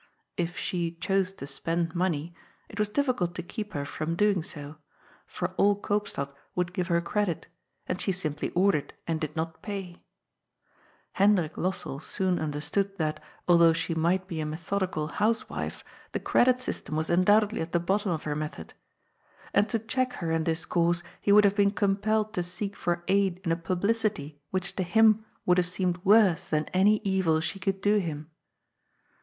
If she chose to spend money, it was difficult to keep her from doing so, for all Koopstad would give her credit, and she simply ordered and did not pay. Hendrik Lossell soon un derstood that, although she might be a methodical house wife, the credit system was undoubtedly at the bottom of her method. And to check her in this course he would have been compelled to seek for aid in a publicity which to him would have seemed worse than any evil she could do him.